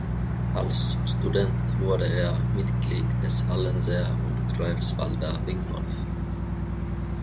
Als Student wurde er Mitglied des Hallenser und Greifswalder Wingolf.